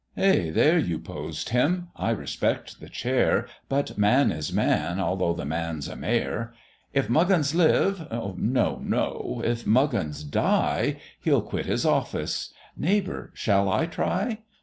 "Ay, there you posed him: I respect the Chair, But man is man, although the man's a mayor; If Muggins live no, no! if Muggins die, He'll quit his office neighbour, shall I try?"